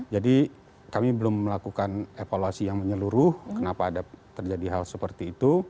jadi kami belum melakukan evaluasi yang menyeluruh kenapa ada terjadi hal seperti itu